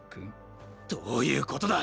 どういうことだ！